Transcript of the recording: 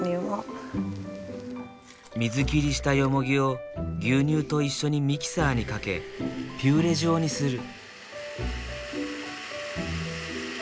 水切りしたよもぎを牛乳と一緒にミキサーにかけピューレ状にする。